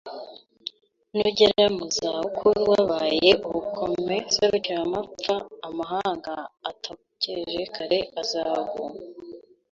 Nugera mu za ukuru Wabaye ubukome Serukiramapfa Amahanga atagukeje kare Azagu